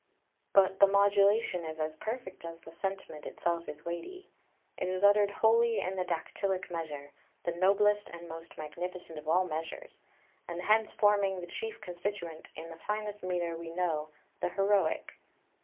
But the modulation is as perfect as the sentiment itself is weighty. It is uttered wholly in the dactylic measure, the noblest and most magnificent of all measures, and hence forming the chief constituent in the finest metre we know, the heroic.